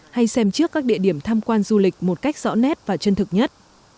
hay xem trước các địa điểm tham quan du lịch một cách rõ nét và chân thực nhất